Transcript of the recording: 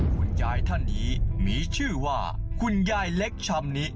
คุณยายท่านนี้มีชื่อว่าคุณยายเล็กชำนิ